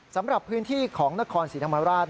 สำหรับพื้นที่ของนครศรีธรรมราช